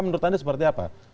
menurut anda seperti apa